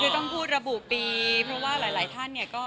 ต้องไปบอกว่าปี๖๔